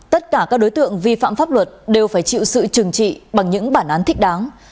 tất cả các đối tượng vi phạm pháp luật đều phải chịu sự trừng trị bằng những bản án thích đáng